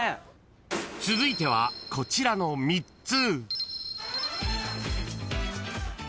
［続いてはこちらの３つ］